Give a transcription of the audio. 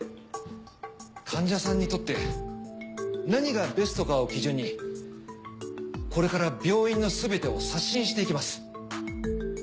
患者さんにとって何がベストかを基準にこれから病院のすべてを刷新していきます。